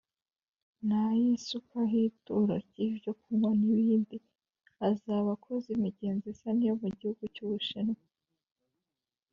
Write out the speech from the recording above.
nayisukaho ituro ry ibyokunywa nibindi azaba akoze imigenzo isa niyo mu gihugu cy’ ubushinwa.